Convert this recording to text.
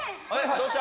どうした？